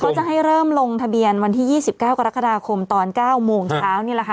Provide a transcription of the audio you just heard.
จะให้เริ่มลงทะเบียนวันที่๒๙กรกฎาคมตอน๙โมงเช้านี่แหละค่ะ